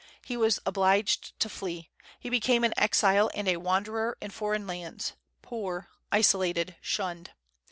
He was obliged to flee; he became an exile and a wanderer in foreign lands, poor, isolated, shunned.